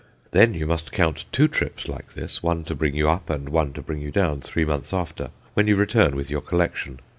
Then you must count two trips like this, one to bring you up, and one to bring you down three months after, when you return with your collection.